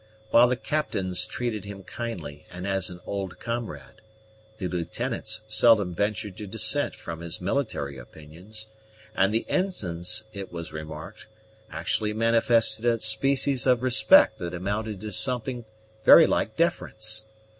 While the captains treated him kindly and as an old comrade, the lieutenants seldom ventured to dissent from his military opinions; and the ensigns, it was remarked, actually manifested a species of respect that amounted to something very like deference.